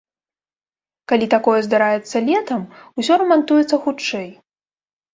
Калі такое здараецца летам, усё рамантуецца хутчэй.